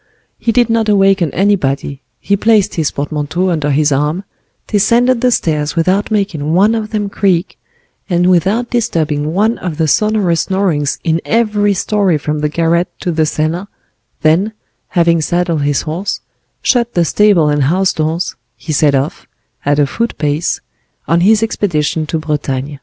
He did not awaken anybody, he placed his portmanteau under his arm, descended the stairs without making one of them creak, and without disturbing one of the sonorous snorings in every story from the garret to the cellar, then, having saddled his horse, shut the stable and house doors, he set off, at a foot pace, on his expedition to Bretagne.